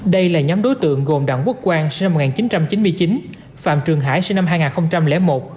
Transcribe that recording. đây là nhóm đối tượng gồm đảng quốc quan sinh năm một nghìn chín trăm chín mươi chín phạm trường hải sinh năm hai nghìn một